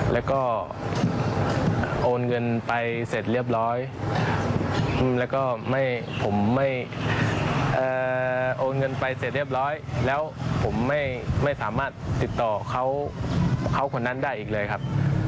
แล้วผมไม่สามารถติดต่อเขาคนนั้นได้อีกเลยครับ